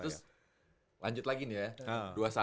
terus lanjut lagi nih ya dua satu